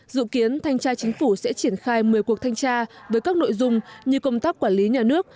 dự kiến thanh tra chính phủ sẽ triển khai một mươi cuộc thanh tra với các nội dung như công tác quản lý nhà nước